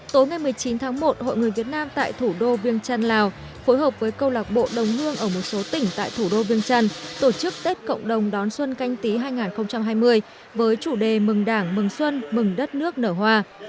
tối ngày một mươi chín tháng một hội người việt nam tại thủ đô viêng trăn lào phối hợp với câu lạc bộ đồng hương ở một số tỉnh tại thủ đô viêng trăn tổ chức tết cộng đồng đón xuân canh tí hai nghìn hai mươi với chủ đề mừng đảng mừng xuân mừng đất nước nở hoa